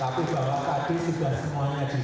tapi bahwa tadi sudah semuanya disetujui ya